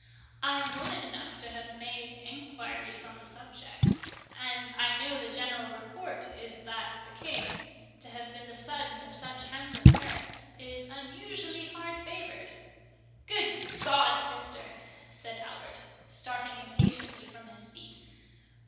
I am woman enough to have made enquiries on the subject, and I know the general report is, that the King, to have been the son of such handsome parents, is unusually hard favoured." "Good God, sister!" said Albert, starting impatiently from his seat.